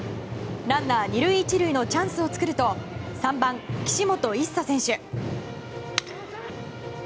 ランナー２塁１塁のチャンスを作ると３番、岸本一心選手。